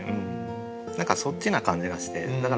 何かそっちな感じがして。